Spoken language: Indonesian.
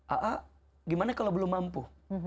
a a gimana kalau belum mampu